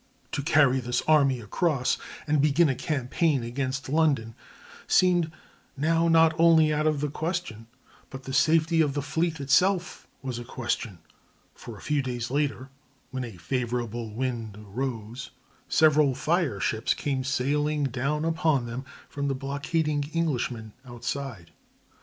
To carry this army across and begin a campaign against London seemed now not only out of the question, but the safety of the fleet itself was a question; for a few days later, when a favorable wind arose, several fire ships came sailing down upon them from the blockading Englishmen outside.